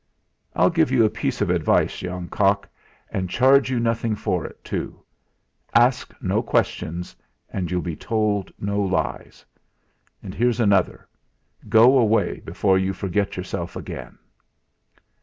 "I'll give you a piece of advice, young cock, and charge you nothing for it, too: Ask no questions, and you'll be told no lies. And here's another: Go away before you forget yourself again."